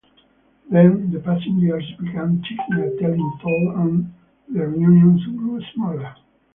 Then the passing years began taking a telling toll and the reunions grew smaller.